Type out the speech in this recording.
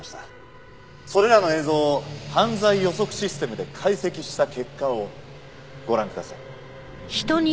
それらの映像を犯罪予測システムで解析した結果をご覧ください。